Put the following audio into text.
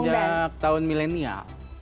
sejak tahun milenial